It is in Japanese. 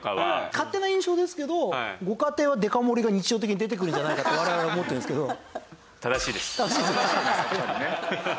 勝手な印象ですけどご家庭はデカ盛りが日常的に出てくるんじゃないかと我々は思ってるんですけど。